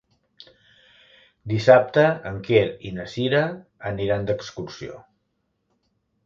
Dissabte en Quer i na Cira aniran d'excursió.